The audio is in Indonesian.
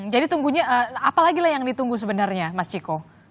jadi tunggunya apalagi lah yang ditunggu sebenarnya mas ciko